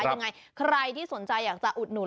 ยังไงใครที่สนใจอยากจะอุดหนุน